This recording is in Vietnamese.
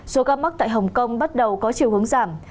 số ca mắc tại hồng kông bắt đầu có chiều hướng giảm